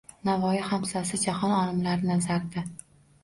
Navoiy Xamsasi ‒ jahon olimlari nazarida